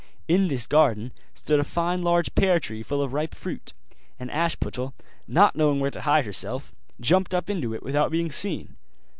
In this garden stood a fine large pear tree full of ripe fruit; and Ashputtel, not knowing where to hide herself, jumped up into it without being seen.